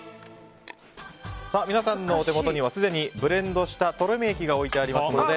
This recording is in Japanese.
皆さんのお手元にはすでにブレンドしたとろみ液が置いてあります。